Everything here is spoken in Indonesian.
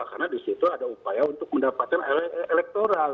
karena disitu ada upaya untuk mendapatkan elektoral